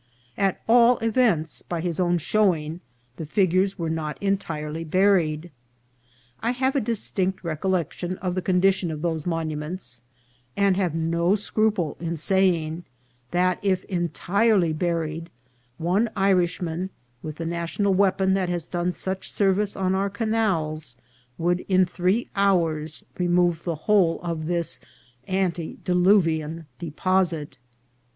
At all events, by his own showing, the figures were not entire ly buried. I have a distinct recollection of the condi tion of those monuments, and have no scruple in saying that, if entirely buried, one Irishman, Avith the national weapon that has done such service on our canals, would in three hours remove the whole of this antediluvian deposite.